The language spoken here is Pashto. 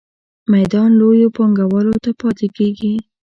میدان لویو پانګوالو ته پاتې کیږي.